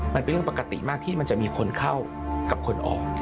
มันเป็นเรื่องปกติมากที่มันจะมีคนเข้ากับคนออก